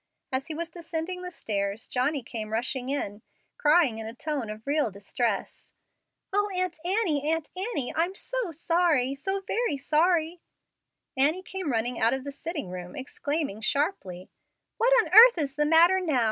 As he was descending the stairs, Johnny came running in, crying in a tone of real distress, "Oh, Aunt Annie, Aunt Annie, I'm so sorry, so very sorry " Annie came running out of the sitting room, exclaiming sharply, "What on earth is the matter now?